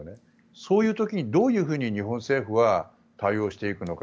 そういう時にどういうふうに日本政府は対応していくのか。